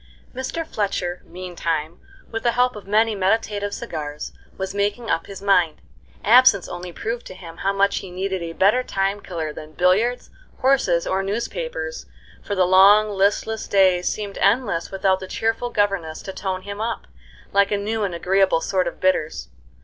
Mr. fletcher, meantime, with the help of many meditative cigars, was making up his mind. Absence only proved to him how much he needed a better time killer than billiards, horses, or newspapers, for the long, listless days seemed endless without the cheerful governess to tone him up, like a new and agreeable sort of bitters.